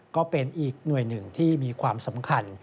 ก็เป็นอีกหน่วยหนึ่งที่มีความสำคัญ